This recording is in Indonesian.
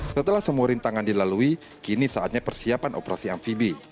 setelah semua rintangan dilalui kini saatnya persiapan operasi amfibi